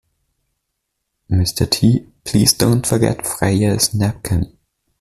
Mr T. - please don't forget Freya's napkin.